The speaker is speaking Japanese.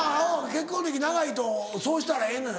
結婚歴長いとそうしたらええのよな。